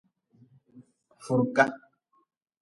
Furga.